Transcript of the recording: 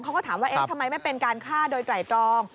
เขาก็ถามว่าเอ๊ะทำไมไม่เป็นการฆ่าโดยไตรตรอง